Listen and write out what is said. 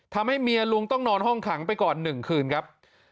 ทำให้เมียลุงต้องนอนห้องขังไปก่อน๑คืนครับ